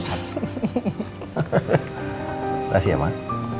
terima kasih ya mak